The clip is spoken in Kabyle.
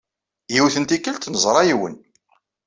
Yiwet n tikkelt, neẓra yiwen.